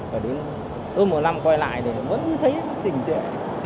và đến ước mùa năm quay lại thì vẫn như thế trình trễ